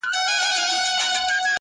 قربانو مخه دي ښه.